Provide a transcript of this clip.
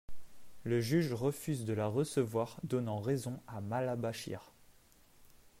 Le juge refuse de la recevoir, donnant raison à Malla Bachir.